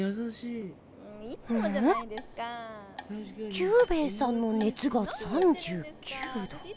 キュウベイさんのねつが３９度。